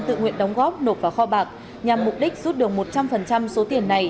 tự nguyện đóng góp nộp vào kho bạc nhằm mục đích rút được một trăm linh số tiền này